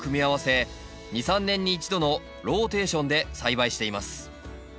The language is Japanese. ２３年に１度のローテーションで栽培しています。